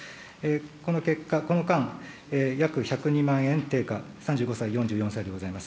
この結果、この間、約１０２万円低下、３５歳、４４歳でございます。